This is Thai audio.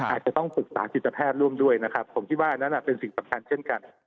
อาจจะต้องปรึกษาจิตแพทย์ร่วมด้วยนะครับผมคิดว่าอันนั้นเป็นสิ่งสำคัญเช่นกัน